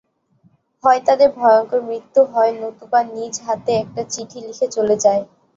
হয় তাদের ভয়ঙ্কর মৃত্যু হয় নতুবা নিজ হাতে একটা চিঠি লিখে চলে যায়।